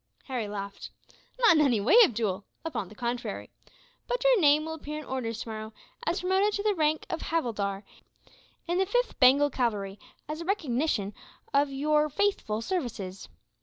Harry laughed. "Not in any way, Abdool; upon the contrary. But your name will appear in orders, tomorrow, as promoted to the rank of havildar, in the 5th Bengal Cavalry, as a recognition of your faithful services.